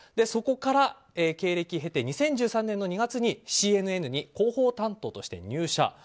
そこから経歴を経て２０１３年の２月にＣＮＮに広報担当として入社。